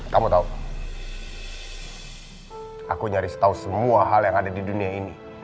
kamu tahu aku nyaris tahu semua hal yang ada di dunia ini